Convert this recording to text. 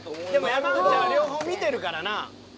山内は両方見てるからな。